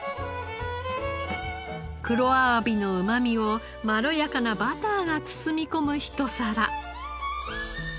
黒あわびのうまみをまろやかなバターが包み込むひと皿。